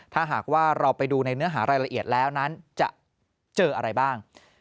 ถ้าหากว่าเราไปดูในเนื้อหารายละเอียดแล้วนั้นจะเจออะไรบ้าง